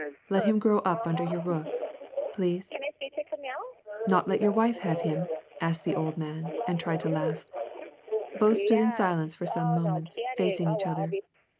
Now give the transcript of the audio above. Let him grow up under your roof, please ?"" Not let your wife have him ?" asked the old man, and tried to laugh. Both stood in silence for some moments, facing each other.